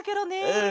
うん。